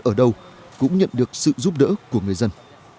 ở đâu cũng nhận được sự giúp đỡ của người dân